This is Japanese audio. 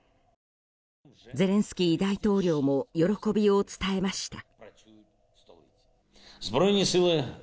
ゼレンスキー大統領も喜びを伝えました。